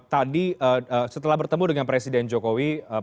tadi setelah bertemu dengan presiden jokowi